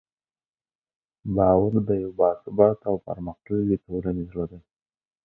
باور د یوې باثباته او پرمختللې ټولنې زړه دی.